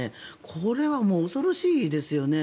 これはもう恐ろしいですよね。